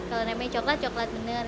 kalau namanya coklat coklat benar